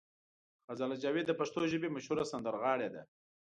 غزاله جاوید د پښتو ژبې مشهوره سندرغاړې ده.